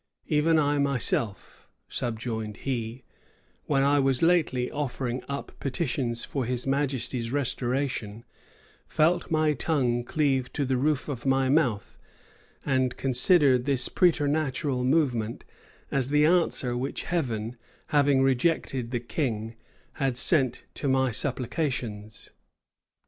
Even I myself," subjoined he, "when I was lately offering up petitions for his majesty's restoration, felt my tongue cleave to the roof of my mouth, and considered this preternatural movement as the answer which Heaven, having rejected the king, had sent to my supplications."